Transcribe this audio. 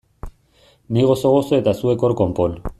Ni gozo-gozo eta zuek hor konpon!